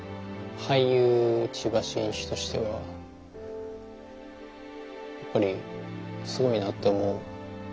俳優千葉真一としてはやっぱりすごいなって思う。